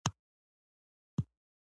وژنه د هر کور درد دی